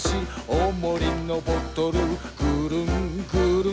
「おもりのボトルぐるんぐるん」